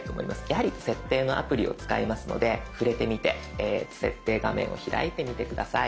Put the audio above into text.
やはり設定のアプリを使いますので触れてみて設定画面を開いてみて下さい。